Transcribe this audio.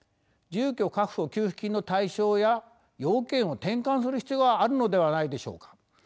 住居確保給付金の対象や要件を転換する必要があるのではないでしょうか。